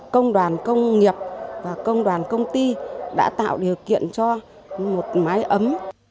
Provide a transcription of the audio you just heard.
công đoàn công nghiệp và công đoàn công ty đã tạo điều kiện cho một mái ấm